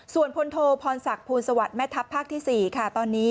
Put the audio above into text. ส่วนพนโทพรศกภูลสวรรค์แม่ทับภาคที่สี่ค่ะ